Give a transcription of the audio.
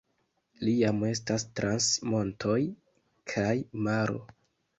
Li jam estas trans montoj kaj maro.